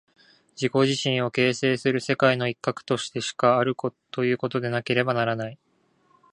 自己自身を形成する世界の一角としてしかあるということでなければならない。